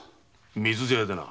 水茶屋でな。